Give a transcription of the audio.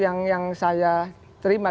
yang saya terima